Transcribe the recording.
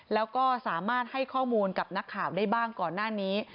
แล้วก็สามารถให้ข้อมูลกับนักข่าวได้บ้างก่อนหน้านี้